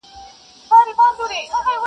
• نه په ښکار سوای د هوسیانو خوځېدلای -